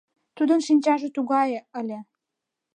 Тудын шинчаже тугай ыле!..